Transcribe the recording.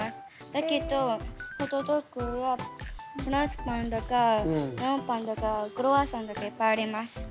だけどホットドッグやフランスパンとかメロンパンとかクロワッサンとかいっぱいあります。